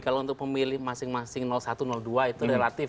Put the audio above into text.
kalau untuk pemilih masing masing satu dua itu relatif